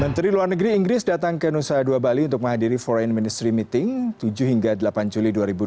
menteri luar negeri inggris datang ke nusa dua bali untuk menghadiri foreign ministry meeting tujuh hingga delapan juli dua ribu dua puluh